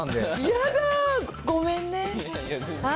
やだー、ごめんね。